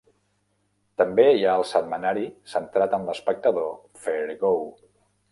També hi ha el setmanari centrat en l'espectador, "Fair Go".